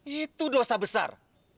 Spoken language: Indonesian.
itu dosa besar